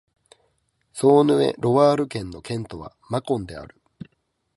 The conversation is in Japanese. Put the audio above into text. ソーヌ＝エ＝ロワール県の県都はマコンである